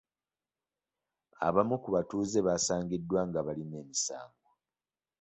Abamu ku batuuze baasangiddwa nga balina emisango.